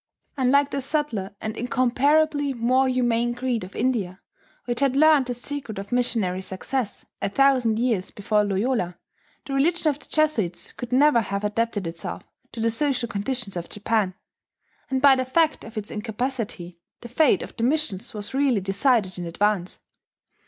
Unlike that subtler and incomparably more humane creed of India, which had learned the secret of missionary success a thousand years before Loyola, the religion of the Jesuits could never have adapted itself to the social conditions of Japan; and by the fact of this incapacity the fate of the missions was really decided in advance.